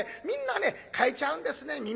みんなね変えちゃうんですね。